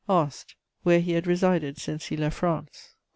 Asked: Where he had resided since he left France?